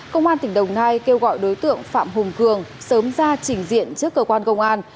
công an tỉnh đồng nai kêu gọi đối tượng phạm hùng cường sớm ra trình diện trước cơ quan công an